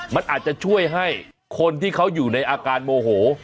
มันอาจจะช่วยให้คนที่เขาอยู่ในอาการโมโห